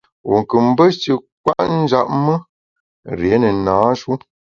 Wu kù mbe shi kwet njap me, rié ne na-shu.